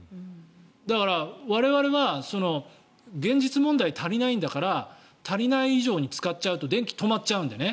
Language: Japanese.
だから我々は現実問題、足りないんだから足りない以上に使っちゃうと電気、止まっちゃうのでね。